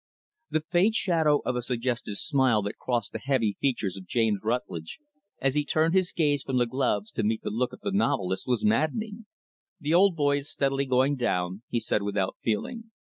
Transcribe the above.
The faint shadow of a suggestive smile that crossed the heavy features of James Rutlidge, as he turned his gaze from the gloves to meet the look of the novelist was maddening. "The old boy is steadily going down," he said without feeling.